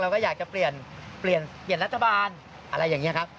เราก็อยากจะเปลี่ยนเปลี่ยนเปลี่ยนรัฐบาลอะไรอย่างเงี้ยครับ